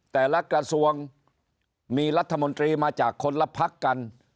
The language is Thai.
แต่ละกระทรวงมีรัฐมนตรีมาจากคนละพักกัน